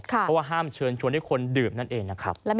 เพราะว่าห้ามเชิญชวนให้คนดื่มนั่นเองนะครับ